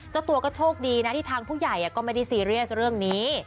เจ้าตัวก็โชคดีนะที่ทางผู้ใหญ่ก็ไม่ได้ซีเรียสเรื่องนี้